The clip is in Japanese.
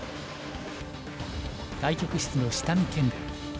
対局室の下見検分。